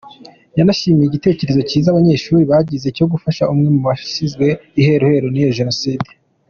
Yanashimiye igitekerezo kiza abanyeshuli bagize cyo gufasha umwe mu basizwe iheruheru niyo jenoside.